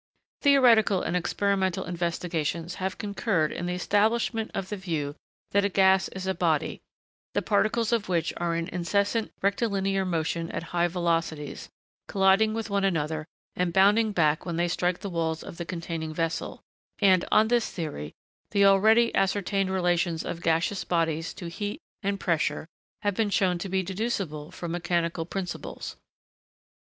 Theoretical and experimental investigations have concurred in the establishment of the view that a gas is a body, the particles of which are in incessant rectilinear motion at high velocities, colliding with one another and bounding back when they strike the walls of the containing vessel; and, on this theory, the already ascertained relations of gaseous bodies to heat and pressure have been shown to be deducible from mechanical principles.